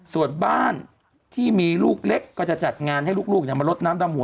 ส่วนบ้านที่มีลูกเล็กก็จะจัดงานให้ลูกมาลดน้ำดำหัว